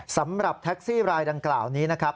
สำหรับแท็กซี่รายดังกล่าวนี้นะครับ